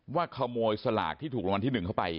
ว่าขโมยสลากที่ถูกรางวัลที่๑เข้าไป